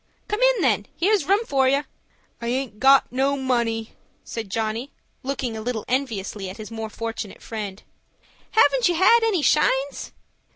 "Come in, then. Here's room for you." "I aint got no money," said Johnny, looking a little enviously at his more fortunate friend. "Haven't you had any shines?"